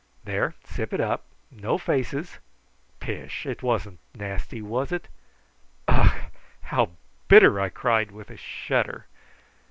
"There, sip it up. No faces. Pish! it wasn't nasty, was it?" "Ugh! how bitter!" I cried with a shudder.